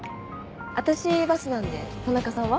私バスなんで田中さんは？